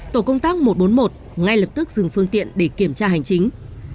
tổ công tác một trăm bốn mươi một ngay lập tức dừng phương tiện để kiểm tra hành chính